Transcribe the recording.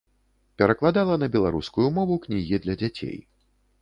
Перакладала на беларускую мову кнігі для дзяцей.